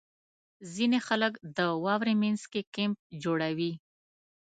• ځینې خلک د واورې مینځ کې کیمپ جوړوي.